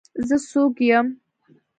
زه څوک يم.